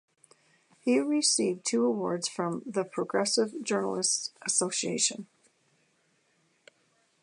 He received two awards from the Progressive Journalists Association.